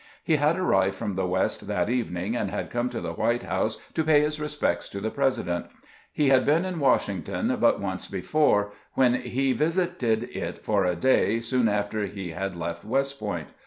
He had arrived from the "West that evening, and had come to the White House to pay his respects to the President. He had been in Washington but once before, when he visited it for a day soon after he had left West Point.